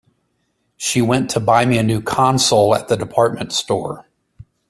She went to buy me a new console at the department store.